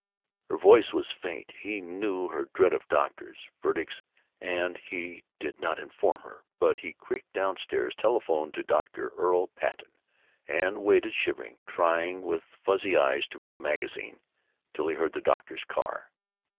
Her voice was faint. He knew her dread of doctors' verdicts and he did not inform her, but he creaked down stairs, telephoned to Dr. Earl Patten, and waited, shivering, trying with fuzzy eyes to read a magazine, till he heard the doctor's car.